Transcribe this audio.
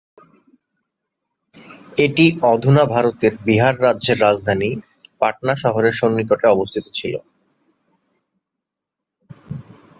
এটি অধুনা ভারতের বিহার রাজ্যের রাজধানী পাটনা শহরের সন্নিকটে অবস্থিত ছিল।